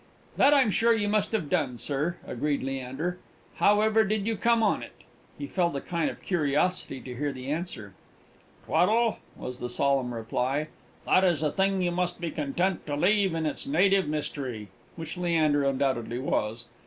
"That I'm sure you must have done, sir," agreed Leander. "How ever did you come on it?" He felt a kind of curiosity to hear the answer. "Tweddle," was the solemn reply, "that is a thing you must be content to leave in its native mystery" (which Leander undoubtedly was).